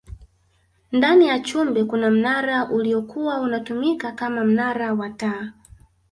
ndani ya chumbe kuna mnara uliyokuwa unatumika Kama mnara wa taa